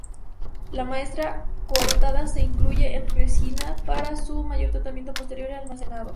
La muestra cortada se incluye en resina para su mejor tratamiento posterior y almacenado.